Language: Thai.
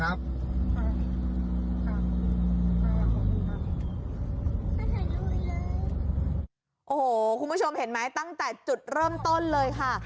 โอ้โหคุณผู้ชมเห็นไหมตั้งแต่จุดเริ่มต้นเลยค่ะ